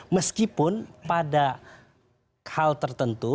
meskipun pada hal tertentu